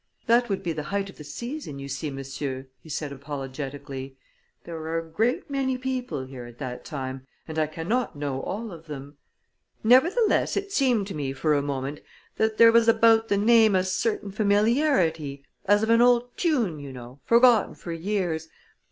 "That would be the height of the season, you see, monsieur," he said apologetically. "There are a great many people here, at that time, and I cannot know all of them. Nevertheless, it seemed to me for a moment that there was about the name a certain familiarity as of an old tune, you know, forgotten for years.